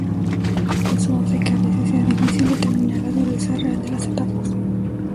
Eso hace que a veces sea difícil determinar la dureza real de las etapas.